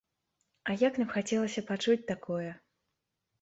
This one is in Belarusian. А як нам хацелася пачуць такое!